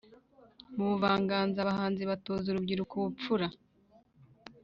mu buvanganzo abahanzi batoza urubyiruko ubupfura